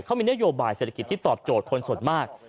เขามีนโยบายเศรษฐกิจที่ตอบโจทย์คนส่วนมาก